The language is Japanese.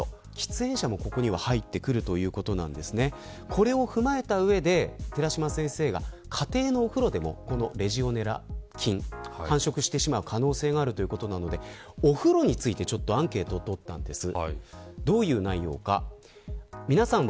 これを踏まえた上で寺嶋先生が家庭のお風呂でもこのレジオネラ菌が繁殖してしまう可能性があるということなのでお風呂についてアンケートをとりました。